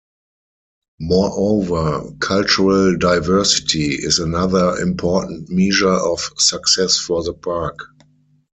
Moreover, cultural diversity is another important measure of success for the park.